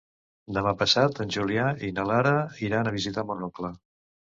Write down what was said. Demà passat en Julià i na Lara iran a visitar mon oncle.